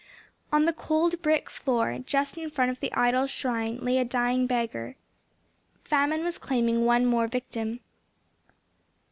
On the cold brick floor just in front of the idol's shrine lay a dying beggar. Famine was claiming one more victim.